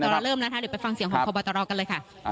เดี๋ยวครับพบตรเริ่มนะครับเดี๋ยวไปฟังเสียงของพบตรกันเลยค่ะ